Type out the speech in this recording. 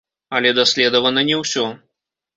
Але даследавана не ўсё.